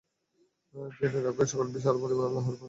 জেনে রেখ, সকল বিষয়ের পরিণাম আল্লাহরই দিকে প্রত্যাবর্তন করে।